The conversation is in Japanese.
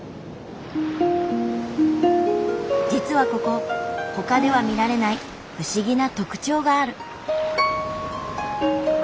実はここ他では見られない不思議な特徴がある。